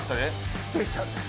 スペシャルです！